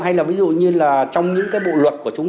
hay là ví dụ như là trong những cái bộ luật của chúng